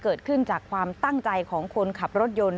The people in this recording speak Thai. เกิดขึ้นจากความตั้งใจของคนขับรถยนต์